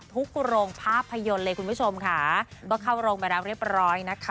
โรงภาพยนตร์เลยคุณผู้ชมค่ะก็เข้าโรงไปแล้วเรียบร้อยนะคะ